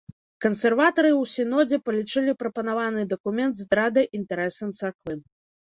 Кансерватары ў сінодзе палічылі прапанаваны дакумент здрадай інтарэсам царквы.